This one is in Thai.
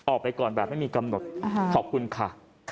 ออกไปก่อนแบบไม่มีกำหนดขอบคุณค่ะ